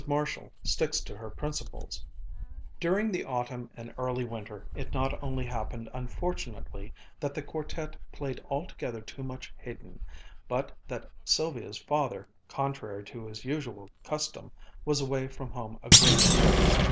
MARSHALL STICKS TO HER PRINCIPLES During the autumn and early winter it not only happened unfortunately that the quartet played altogether too much Haydn, but that Sylvia's father, contrary to his usual custom, was away from home a great deal.